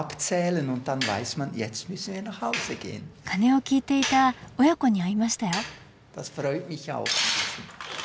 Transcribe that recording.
鐘を聞いていた親子に会いましたよ。